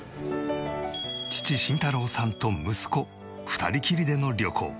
父慎太郎さんと息子２人きりでの旅行。